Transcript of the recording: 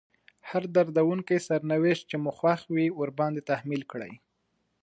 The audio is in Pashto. هر دردونکی سرنوشت چې مو خوښ وي ورباندې تحميل کړئ.